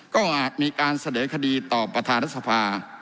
ก็อาจมีการเสนอคดีต่อประธานรัฐสภา